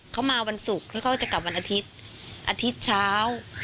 เขามาวันศุกร์แล้วเขาจะกลับวันอาทิตย์อาทิตย์เช้า